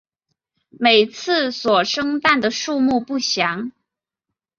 每次所生蛋的数目不详。